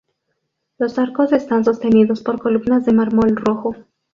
Los arcos están sostenidos por columnas de mármol rojo.